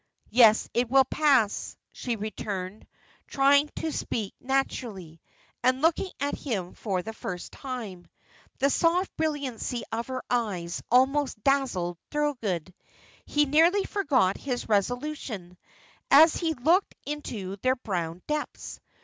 "Yes, it will pass," she returned, trying to speak naturally, and looking at him for the first time. The soft brilliancy of her eyes almost dazzled Thorold. He nearly forgot his resolution, as he looked into their brown depths.